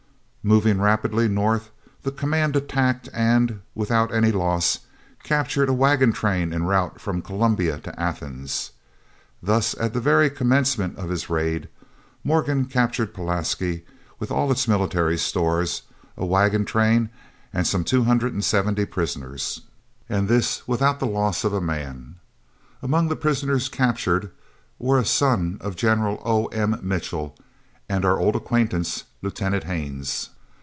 Moving rapidly north, the command attacked and, without any loss, captured a wagon train en route from Columbia to Athens. Thus at the very commencement of his raid, Morgan captured Pulaski, with all its military stores, a wagon train, and some two hundred and seventy prisoners, and this without the loss of a man. Among the prisoners captured were a son of General O. M. Mitchell, and our old acquaintance, Lieutenant Haines.